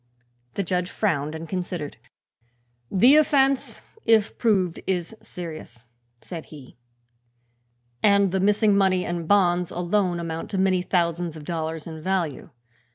The judge frowned and considered. "The offense, if proved, is serious," said he, "and the missing money and bonds alone amount to many thousands of dollars in value.